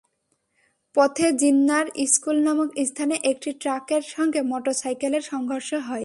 পথে জিন্নার স্কুল নামক স্থানে একটি ট্রাকের সঙ্গে মোটরসাইকেলের সংঘর্ষ হয়।